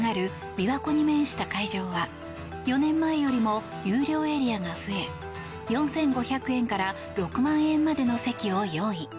琵琶湖に面した会場は４年前よりも有料エリアが増え４５００円から６万円までの席を用意。